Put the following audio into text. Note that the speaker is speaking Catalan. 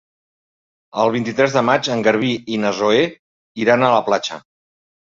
El vint-i-tres de maig en Garbí i na Zoè iran a la platja.